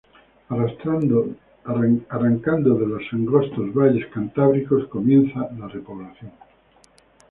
Arrancando de los angostos valles cantábricos comienza la repoblación.